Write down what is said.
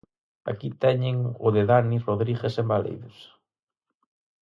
Aquí teñen o de Dani Rodríguez en Balaídos.